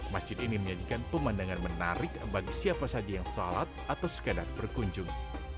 masjid ini menyajikan pemandangan menarik bagi siapa saja yang sholat atau sekadar berkunjung